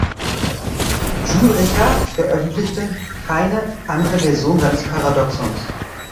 Jules Richard veröffentlichte keine andere Version seines Paradoxons.